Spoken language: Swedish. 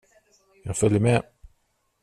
Jag följer med.